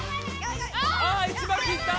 あ１巻きいった！